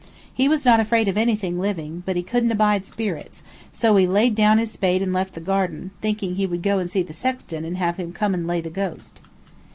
He was not afraid of anything living, but he couldn't abide spirits, so he laid down his spade and left the garden, thinking he would go and see the sexton and have him come and lay the ghost.